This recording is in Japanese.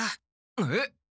えっ？